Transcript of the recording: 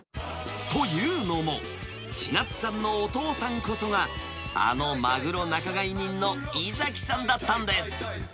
というのも、千夏さんのお父さんこそが、あのマグロ仲買人の猪崎さんだったんです。